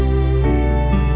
aku mau ke sana